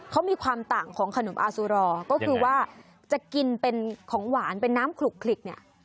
เขามีความต่างของขนมอาซูรอก็คือว่าจะกินเป็นของหวานเป็นน้ำขลุกเนี่ย